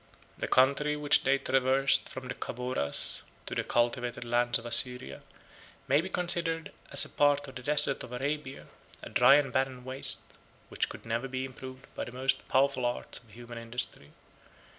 The country which they traversed from the Chaboras, to the cultivated lands of Assyria, may be considered as a part of the desert of Arabia, a dry and barren waste, which could never be improved by the most powerful arts of human industry.